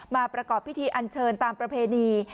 ประกอบพิธีอันเชิญตามประเพณี